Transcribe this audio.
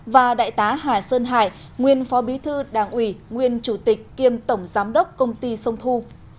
và đại tá hà sơn hải nguyên phó bí thư đảng ủy nguyên chủ tịch kiêm tổng giám đốc công ty sông thu